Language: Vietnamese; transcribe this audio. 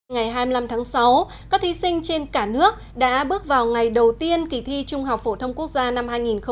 ngày hai mươi năm tháng sáu các thí sinh trên cả nước đã bước vào ngày đầu tiên kỳ thi trung học phổ thông quốc gia năm hai nghìn một mươi tám